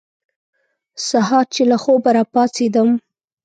سهار چې له خوبه را پاڅېدم.